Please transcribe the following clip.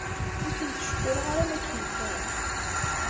Ur kem-ttcewwileɣ ara ma keyyfeɣ?